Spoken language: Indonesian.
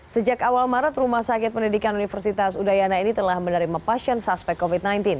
sejak awal maret rumah sakit pendidikan universitas udayana ini telah menerima pasien suspek covid sembilan belas